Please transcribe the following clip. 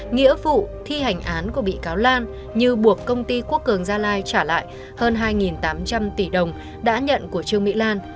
nghĩa vụ thi hành án của bị cáo lan như buộc công ty quốc cường gia lai trả lại hơn hai tám trăm linh tỷ đồng đã nhận của trương mỹ lan